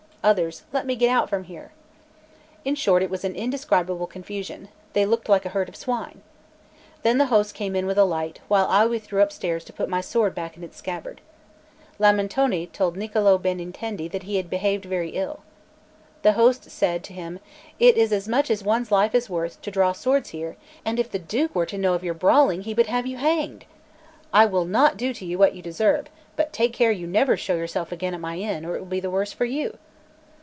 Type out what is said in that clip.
others, "Let me get out from here." In short, it was an indescribable confusion; they looked like a herd of swine. Then the host came with a light, while I withdrew upstairs and put my sword back in its scabbard. Lamentone told Niccolò Benintendi that he had behaved very ill. The host said to him: "It is as much as one's life is worth to draw swords here; and if the Duke were to know of your brawling, he would have you hanged. I will not do to you what you deserve; but take care you never show yourself again in my inn, or it will be the worse for you."